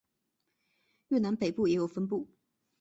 越南北部也有分布。